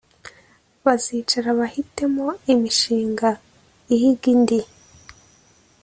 bazicara bahitemo imishinga ihiga indi